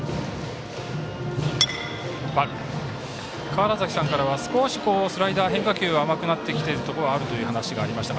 川原崎さんからは、少しスライダー、変化球が甘くなってきているところがあるという話がありました。